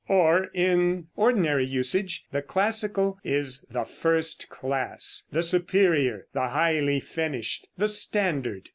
Or, in ordinary usage, the classical is the first class, the superior, the highly finished, the standard.